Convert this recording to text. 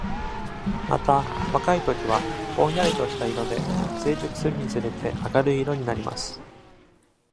また、若い時は、ぼんやりとした色で、成熟するにつれて明るい色になります。